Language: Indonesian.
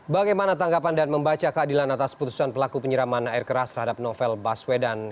bagaimana tanggapan dan membaca keadilan atas putusan pelaku penyiraman air keras terhadap novel baswedan